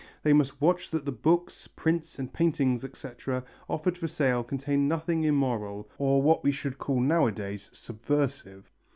They must watch that the books, prints and paintings, etc., offered for sale contain nothing immoral or what we should call nowadays subversive.